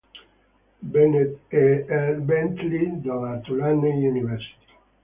Bennett e R. Bentley della Tulane University.